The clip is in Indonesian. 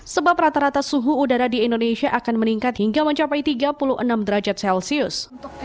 sebab rata rata suhu udara di indonesia akan meningkat hingga mencapai tiga puluh enam derajat celcius